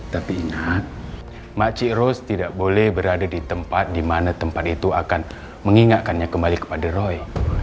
tapi ingat makci royce tidak boleh berada di tempat di mana tempat itu akan mengingatkannya kembali kepada roy